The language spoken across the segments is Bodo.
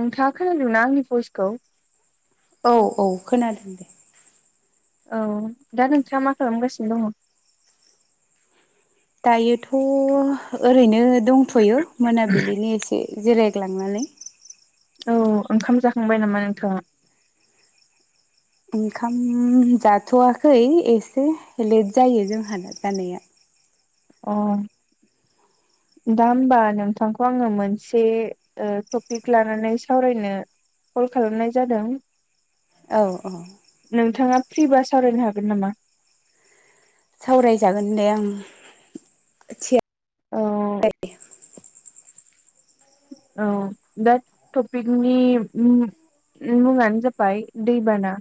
नोंथाङा खोनादोंना आंनि भइसखौ? औ औ खोनादों दे। औ दा नोंथाङा मा खालामगासिनो दङ? दायोथ' ओरैनो दंथ'यो मोनाबिलिनि एसे जिरायग्लांनानै। औ ओंखाम जाखांबाय नामा नोंथाङा? ओंखाम जाथ'वाखै एसे लेट जायो जोंहानो जानाया। अ दा होमबा नोंथांखौ आङो मोनसे ओ टपिक लानानै सावरायनो कल खालामनाय जादों। औ औ। नोंथाङा फ्रि बा सावरायनो हागोन नामा? सावरायजागोन दे आ थि औ। औ दा टपिकनि उम मुङानो जाबाय दैबाना।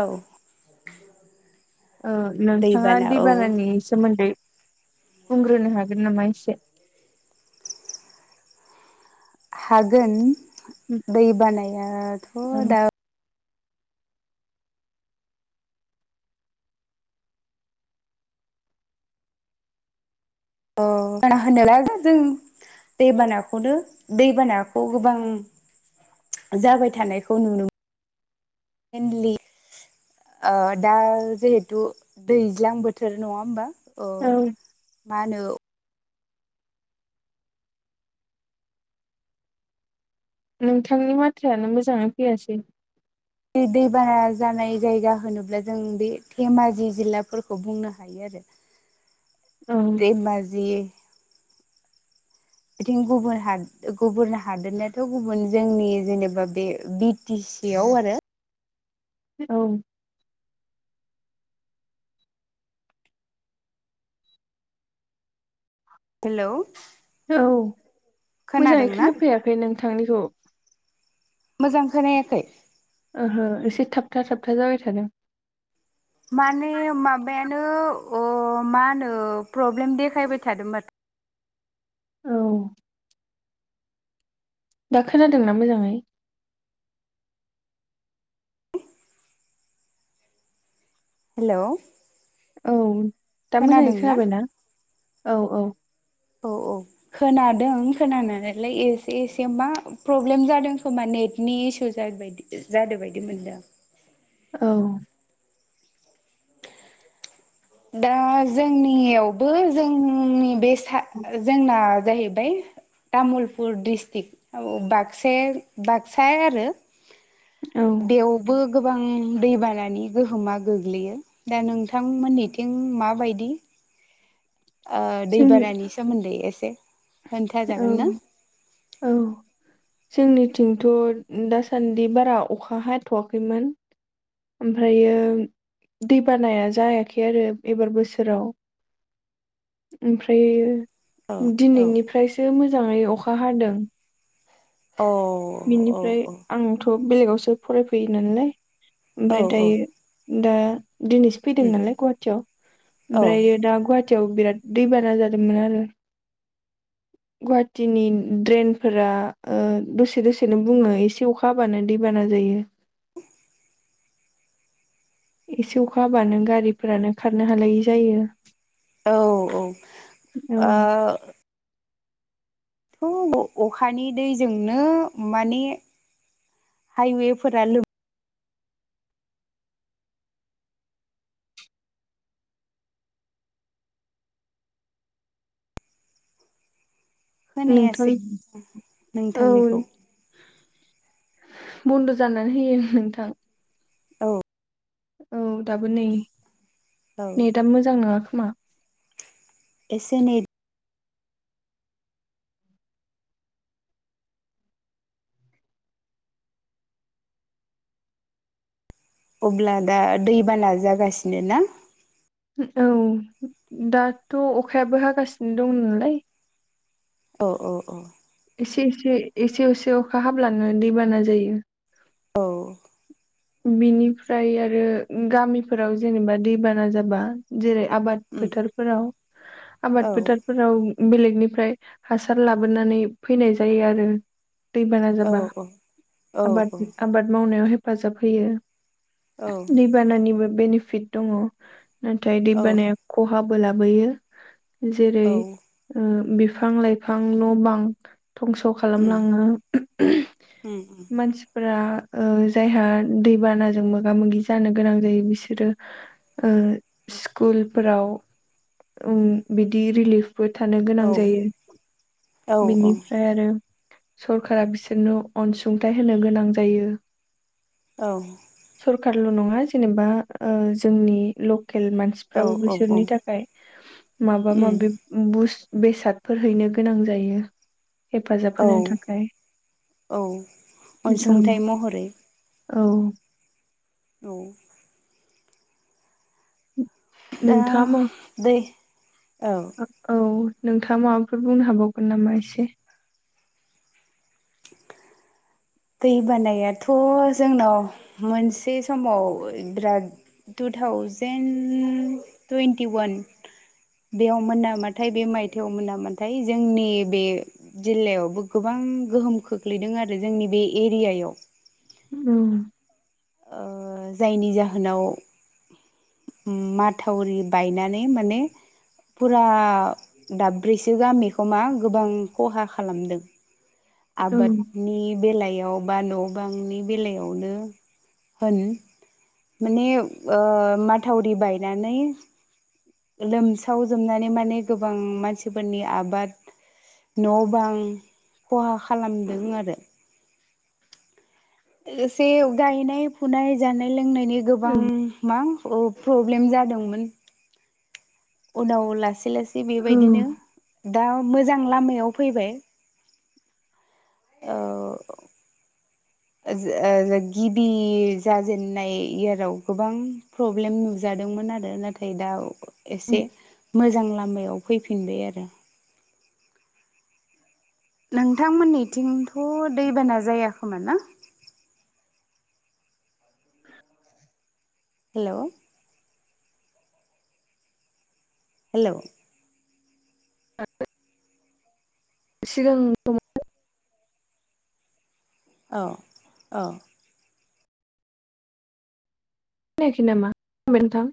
औ। ओ नोंथाङा दैबाना औ दैबानानि सोमोन्दै बुंग्रोनो हागोन नामा एसे? हागोन दै बानायाथ' दा अ [unintelligible] जों दैबानाखौनो दैबानाखौ गोबां जाबाय थानायखौ नुनो मेनलि ओ दा जिहेथु दैज्लां बोथोर नङा होमबा। ओ औ मा होनो नोंथांनि बाथ्रायानो मोजाङै फैयासै। बे दैबाना जानाय जायगा होनोब्ला जों बे धेमाजि जिल्लाफोरखौ बुंनो हायो आरो। [unintelligible] दैेमाजि बिथिं गुबुन हा गुबुन हादोरनायाथ' गुबुन जोंनि जेनेबा बे बि थि चियाव आरो औ। हेलौ औ मोजाङै खोनादोंना खोनानो फैयाखै नोंथांनिखौ। मोजां खोनायाखै? ओहो एसे थाबथा थाबथा जाबाय थादों। माने माबायानो अ मा होनो प्रब्लेम देखायबाय थादों मा औ। दा खोनादोंना मोजाङै? हेलौ औ दा मोजाङै खोनादोंना खोनाबायना? औ औ। औ औ खोनादों खोनानानैलाय एसे एसे मा प्रब्लेम जादों खोमा नेटनि इसु जादो बायदि जादों बायदि मोनदों। औ दा जोंनियावबो जोंनि बेस था जोंना जाहैबाय तामुलपुर द्रिस्टिक औ बाक्साया बाक्साया आरो। औ बेयाव बो गोबां दैबानानि गोहोमा गोग्लैयो दा नोंथांमोननिथि थिं माबायदि ओ दैबानानि सोमोन्दै एसे खोन्थाजागोन उम ना? औ। जोंनिथिंथ' दासान्दि बारा अखा हाथ'वाखैमोन। ओमफ्रायो दै बानाया जायाखै आरो एबार बोसोराव। औ ओमफ्रायो औ दिनैनिफ्रायसो मोजाङै अखा हादों। अह। बिनिफ्राय आंथ' बेलेगावसो फरायफैयो नालाय औ ओमफ्राय उम दायो दा दिनैसो फैदों नालाय गुवाहाटियाव औ ओमब्रायो दा गवा टियाव बिराद दैबाना जादोंमोन आरो। गुवाहाटिनि द्रेनफोरा ओ दसे दसेनो बुङो एसे अखा हाबानो दैबाना जायो। एसे अखा हाबानो गारिफोरानो खारनो हालायि जायो। औ औ ओह थ' अखानि दैजोंनो माने हाइवेफोरा लोम नोंथां खोनायासै नोथां औ नोंथांनिखौ। बन्द' जानानै होयो नोंथां। औ। औ दाबो नै औ नेटआ मोजां नङा खोमा। एसे ने अब्ला दा दैबाना जागासिनो ना? औ दाथ' अखायाबो हागासिनो दं नालाय औ औ औ। एसे एसे एसे एसे अखा हाब्लानो दैबाना जायो। औ। बिनिफ्राय आरो गामिफोराव जेनेबा दैबाना जाबा जेरै आबाद उम फोथारफोराव आबाद औ फोथार फोराव बेलेगनिफ्राय हासार लाबोनानै फैनाय जायो आरो। दैबाना औ जाबा औ आबाद औ आबाद मावनायाव हेफाजाब होयो। औ। बानानिबो बेनिफिट दङ' नाथाय औ दैबानाया खहाबो लाबोयो। जेरै औ ओ बिफां लाइफां न' बां धंस' उम खालामलाङो उम उम मानसिफोरा ओ जायहा दै बानाजों मोगा मोगि जानो गोनां जायो बिसोरो ओ स्कुलफोराव उम बिदि रिलिफ बो थानो गोनां औ जायो औ बिनिफ्रा आरो सरखारा बिसोरनो अनसुंथाइ होनो गोनां जायो। औ। सरखारल' नङा जेनेबा ओ जोंनि लकेल मानसि औ फ्राबो उम बिसोरनि थाखाय माबा माबि बुस बेसादफोर हैनो गोनां जायो। हेफाजाब औ होनो थाखाय औ अनसुंथाइ [unintelligible] महरै औ औ दा नोंथाङा मा दै औ औ नोंथा माबाफोर बुंनो हाबावगोन नामा एसे? दै बानायाथ' जोंनाव मोनसे समाव बिराद टु थावजेन टुन्टि वान बेयाव मोनामाथाय बे मायथायाव मोन नामाथाय जोंनि बे जिल्लायावबो गोबां गोहोम खोख्लैदों आरो जोंनि बे एरियायाव। उम ओ जायनि जाहोनाव उम माथावरि बायनानै माने फुरा दाब्रैसो गामिखौ मा गोबां खहा खालामदों। [inaudible] आबादनि बेलायाव बा न' बांनि बेलायावनो होन माने ओ माथावरि बायनानै लोमसावजोबनानै माने गोबां मानसिफोरनि आबाद न' बां खहा खालामदों आरो। एसे गायनाय फुनाय जानाय लोंनायनि गोबां औ मा अ प्रब्लेम जादोंमोन उनाव लासै लासै बेबायदिनो दा मोजां लामायाव फैबाय। [inaudible] ओज-ओज गिबि जाजेननाय इयाराव गोबां प्रब्लेम नुजादोंमोन आरो नाथाय दा औ एसे मोजां लामायाव फैफिनबाय आरो। नोंथांमोननिथिंथ' दैबाना जाया खोमा ना? हेलौ हेलौ [inaudible] सिगां [unintelligible] औ औ खोनायाखै नामा [unintelligible] थां